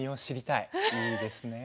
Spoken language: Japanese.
いいですね。